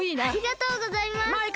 ありがとうございます！